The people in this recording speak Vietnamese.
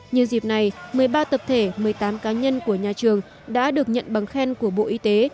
nhân dịp này một mươi ba tập thể một mươi tám cá nhân của nhà trường đã được nhận bằng khen của bộ y tế